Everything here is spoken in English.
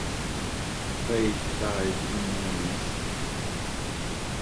Veit died in Mainz.